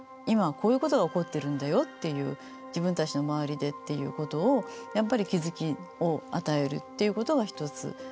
「今はこういうことが起こってるんだよ」っていう「自分たちの周りで」っていうことをやっぱり気づきを与えるっていうことが一つ。